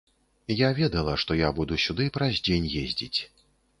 Я ведала, што я буду сюды праз дзень ездзіць.